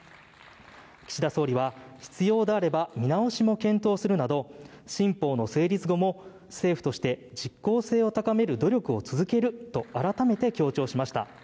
岸田総理は必要であれば見直しも検討するなど新法の成立後も政府として実効性を高める努力を続けると改めて強調しました。